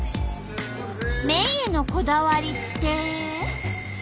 麺へのこだわりって？